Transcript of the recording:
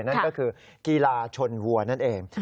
นั่นก็คือกีฬาชนวัวนั่นเอง